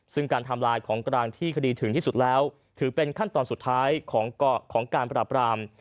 ซึ่งการทำลายของกลางที่คดีถึงที่สุดแล้วถือเป็นขั้นตอนสุดท้ายของการปราบราม